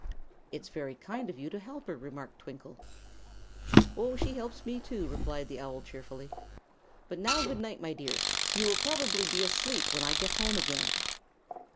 "It's very kind of you to help her," remarked Twinkle. "Oh, she helps me, too," returned the owl, cheerfully. "But now good night, my dears. You will probably be sound asleep when I get home again."